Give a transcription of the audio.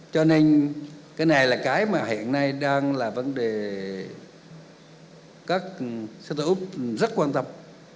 cho nên cái này là cái mà hiện nay đang là vấn đề các sáng tạo úc rất quan tâm